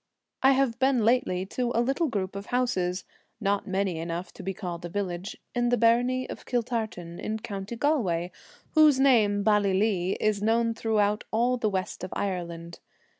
I have been lately to a little group of houses, not many enough to be called a village, in the barony of Kiltartan in County Galway, whose name, Ballylee, is known through all the west of Ireland.